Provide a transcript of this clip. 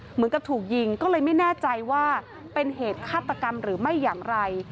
เหมือนกับถูกยิงก็เลยไม่แน่ใจว่าเป็นเหตุฆาตกรรมหรือไม่อย่างไร